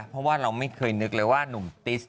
เพราะว่าเราไม่เคยนึกเลยว่าหนุ่มติส